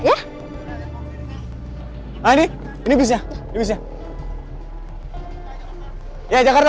jadi marah baik per cours tak richtuinched per course di posisi menurut mantan katanya